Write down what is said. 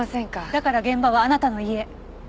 だから現場はあなたの家。